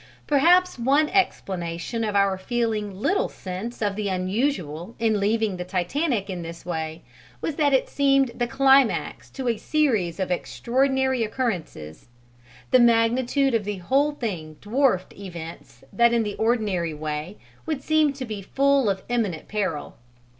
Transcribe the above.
Perhaps one explanation of our feeling little sense of the unusual in leaving the Titanic in this way was that it seemed the climax to a series of extraordinary occurrences: the magnitude of the whole thing dwarfed events that in the ordinary way would seem to be full of imminent peril.